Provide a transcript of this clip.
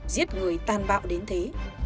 giết người tàn bạo đến thế